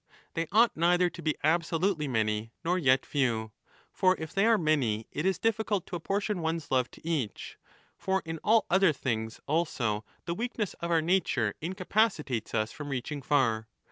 They ought neither to be absolutely many nor yet few. For if they are many, it is difficult to apportion one's love to each. 5 For in all other things also the weakness of our nature incapacitates us from reaching far.